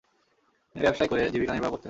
তিনি ব্যবসায় করে জীবিকা নির্বাহ করতেন।